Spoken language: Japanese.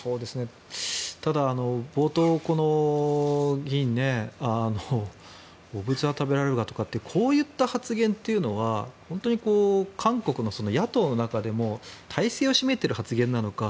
ただ、冒頭この議員汚物は食べられるがとかってこういう発言というのは本当に韓国の野党の中でも大勢を占めている発言なのか